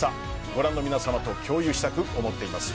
ご覧の皆さまと共有したく思っています。